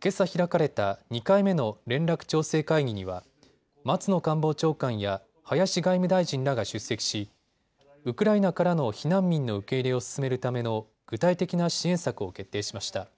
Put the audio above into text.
けさ開かれた２回目の連絡調整会議には松野官房長官や林外務大臣らが出席しウクライナからの避難民の受け入れを進めるための具体的な支援策を決定しました。